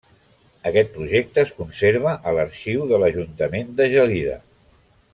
Aquest projecte es conserva a l'arxiu de l'Ajuntament de Gelida.